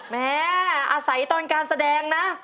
แม่อาศัยตอนการแสดงนะ